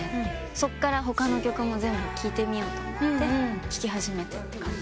そっから他の曲も全部聴いてみようと聴き始めたって感じです。